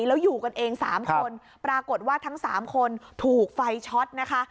แล้วอยู่กันเอง๓คนปรากฏว่าทั้ง๓คนถูกไฟช็อตนะคะ